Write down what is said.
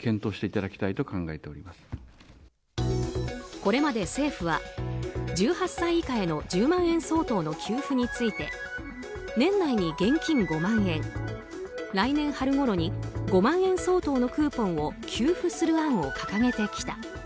これまで、政府は１８歳以下への１０万円相当の給付について年内に現金５万円来年春ごろに５万円相当のクーポンを給付する案を掲げてきた。